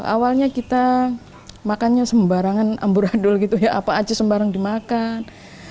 awalnya kita makannya sembarangan amburadul gitu ya apa aja sembarang dimakan